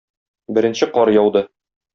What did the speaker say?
Беренче кар яуды.